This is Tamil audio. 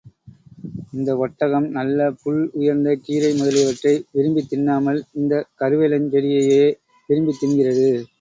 இந்த ஒட்டகம், நல்ல புல், உயர்ந்த கீரை முதலியவற்றை விரும்பித் தின்னாமல், இந்தக் கருவேலஞ் செடியையே விரும்பித் தின்கிறது.